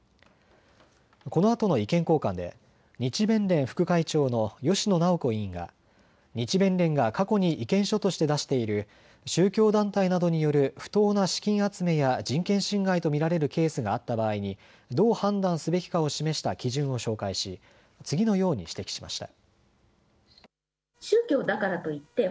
このあとの意見交換で日弁連副会長の芳野直子委員が日弁連が過去に意見書として出している宗教団体などによる不当な資金集めや人権侵害と見られるケースがあった場合にどう判断すべきかを示した基準を紹介し次のように指摘しました。